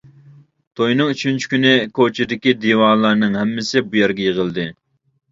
توينىڭ ئۈچىنچى كۈنى كوچىدىكى دىۋانىلەرنىڭ ھەممىسى بۇ يەرگە يىغىلدى.